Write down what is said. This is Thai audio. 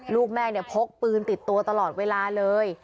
ลูกแม่เนี่ยพกปืนติดตัวตลอดเวลาเลย